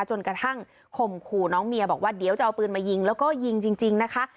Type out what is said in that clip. จนกระทั่งข่มขู่น้องเมียบอกว่าเดี๋ยวจะเอาปืนมายิงแล้วก็ยิงจริงนะคะ